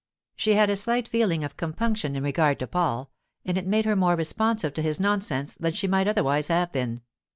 She had a slight feeling of compunction in regard to Paul, and it made her more responsive to his nonsense than she might otherwise have been.